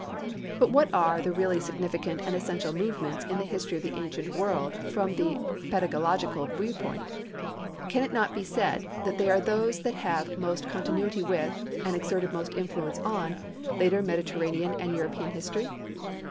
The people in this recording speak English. But what are the really significant and essential movements in the history of the ancient world from the pedagogical viewpoint? Can it not be said that they are those that have most continuity with and exerted most influence on later Mediterranean and European history?